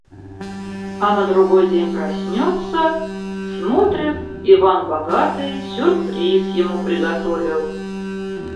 А на другой день проснется — смотрит, Иван Богатый сюрприз ему приготовил